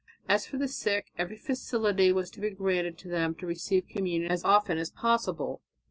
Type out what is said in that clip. As for the sick, every facility was to be granted them to receive communion as often as possible.